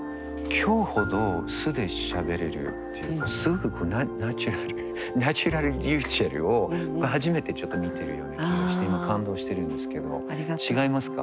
今日ほど素でしゃべれるっていうかすごくナチュラルナチュラルｒｙｕｃｈｅｌｌを僕初めてちょっと見てるような気がして今感動してるんですけど違いますか。